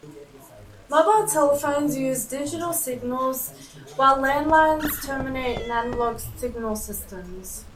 Mobile telephones use digital signals, while land lines terminate in analog signal systems.